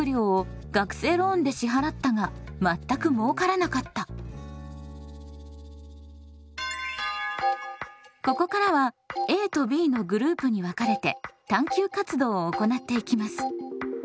しかしここからはＡとＢのグループに分かれて探究活動を行っていきます。